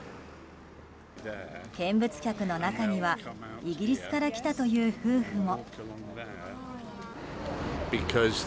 見物客の中にはイギリスから来たという夫婦も。